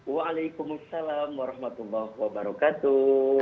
waalaikumsalam warahmatullahi wabarakatuh